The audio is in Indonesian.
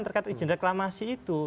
terkait ujian reklamasi itu